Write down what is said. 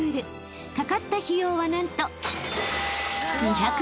［かかった費用は何と］